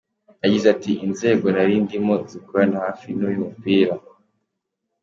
Yagize ati “Inzego nari ndimo zikorana hafi n’uyu mupira.